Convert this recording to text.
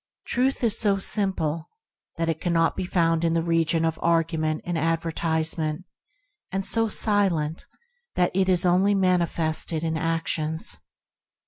Truth is so simple that it cannot be found in the region of argument and advertisement, and so silent that it is only manifested in actions.